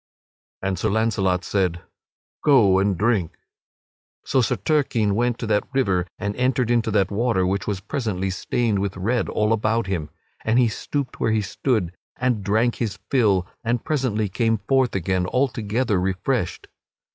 And Sir Launcelot said: "Go and drink." So Sir Turquine went to that river and entered into that water, which was presently stained with red all about him. And he stooped where he stood and drank his fill, and presently came forth again altogether refreshed.